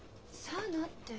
「さあな」って。